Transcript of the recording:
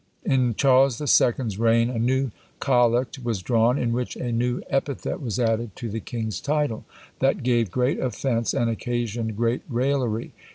In Charles II.'s reign a new collect was drawn, in which a new epithet was added to the king's title, that gave great offence, and occasioned great raillery.